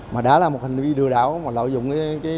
mà đã là một hành vi lừa đảo mà lợi dụng